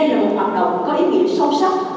đây là một hoạt động có ý nghĩa sâu sắc